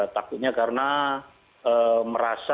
takutnya karena merasa